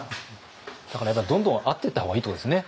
だからやっぱどんどん会っていった方がいいってことですね